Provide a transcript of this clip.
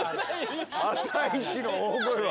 朝イチの大声は。